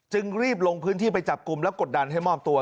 รีบลงพื้นที่ไปจับกลุ่มและกดดันให้มอบตัว